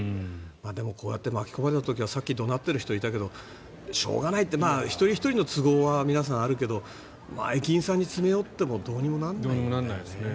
でもこうやって巻き込まれた時はさっき怒鳴っている人いたけどしょうがないって一人ひとりの都合は皆さん、あるけど駅員さんに詰め寄ってもどうにもならないですよね。